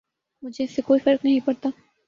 مجھے اس سے کوئی فرق نہیں پڑتا